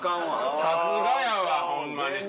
さすがやわホンマに。